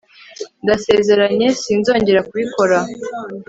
Ndasezeranye Sinzongera kubikora